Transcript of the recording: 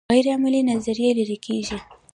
غیر عملي نظریې لرې کیږي.